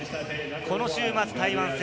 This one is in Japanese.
この週末、台湾戦。